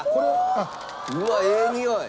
うわっええにおい！